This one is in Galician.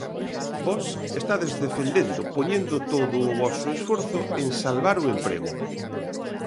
Vós estades defendendo, poñendo todo o voso esforzo, en salvar o emprego.